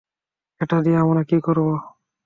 এটা দিয়ে আমরা কী করব?